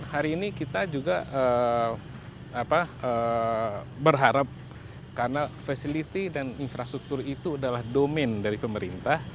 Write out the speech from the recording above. dan ini kita juga berharap karena facility dan infrastruktur itu adalah domain dari pemerintah